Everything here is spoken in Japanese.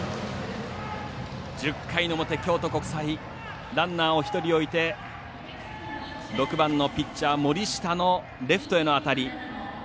１０回の表、京都国際ランナーを１人置いて６番のピッチャー、森下のレフトへの当たり。